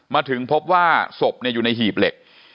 มาถึงพบว่าศพอยู่ในหีบเหล็ก